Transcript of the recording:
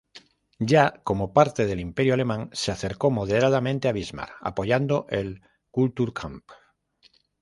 Ya como parte del Imperio alemán, se acercó moderadamente a Bismarck, apoyando el "Kulturkampf".